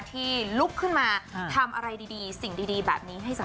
ลุกขึ้นมาทำอะไรดีสิ่งดีแบบนี้ให้สังคม